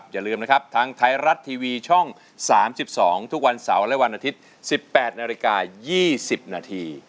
อย่าลืมนะครับทางไทยรัฐทีวีช่อง๓๒ทุกวันเสาร์และวันอาทิตย์๑๘นาฬิกา๒๐นาที